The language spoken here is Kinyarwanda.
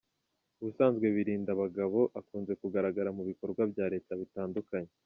Ubusanzwe Birindabagabo akunze kugaragara mu bikorwa bya Leta bitandukanye.